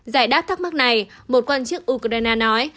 giải đáp thắc mắc này một quan chức ukraine nói